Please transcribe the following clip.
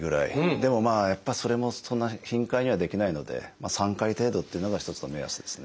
でもまあやっぱそれもそんな頻回にはできないので３回程度っていうのが一つの目安ですね。